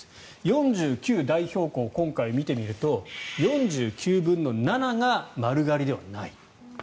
４９代表校、今回見てみると４９分の７が丸刈りではない。